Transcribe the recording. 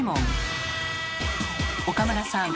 岡村さん